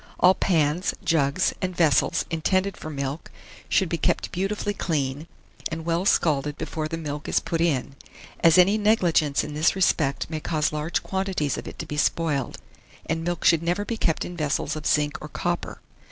All pans, jugs, and vessels intended for milk, should be kept beautifully clean, and well scalded before the milk is put in, as any negligence in this respect may cause large quantities of it to be spoiled; and milk should never be kept in vessels of zinc or copper.